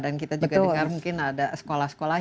dan kita juga dengar mungkin ada sekolah sekolah